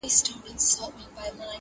پر بګړۍ به وي زلمیو ګل ټومبلي؛